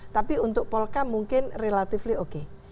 tapi untuk polkam mungkin relatively oke